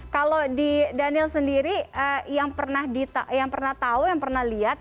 kalau di daniel sendiri yang pernah tahu yang pernah lihat